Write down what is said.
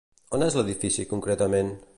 On és l'edifici concretament?